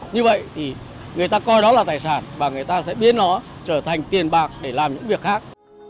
như vậy thì người ta coi đó là tài sản và người ta sẽ biến nó trở thành tiền bạc để làm những việc khác